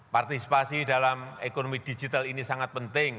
partisipasi dalam ekonomi digital ini sangat penting